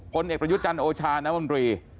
ผลเอกประยุทธ์จันทร์โอชาน้ำมนตรี